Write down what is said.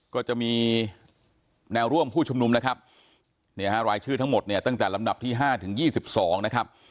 ก็จะมีแนวร่วมผู้ชุมนุมนะครับเนี่ยฮะรายชื่อทั้งหมดเนี่ยตั้งแต่ลำดับที่๕ถึง๒๒นะครับ